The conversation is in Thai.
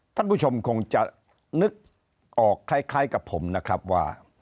ท่านผู้ชมคงจะนึกออกคล้ายกับผมนะครับว่า